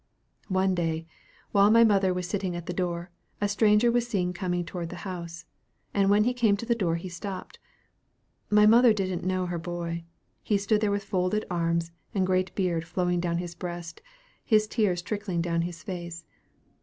One day, while my mother was sitting at the door, a stranger was seen coming toward the house, and when he came to the door he stopped. My mother didn't know her boy. He stood there with folded arms and great beard flowing down his breast, his tears trickling down his face.